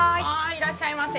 いらっしゃいませ。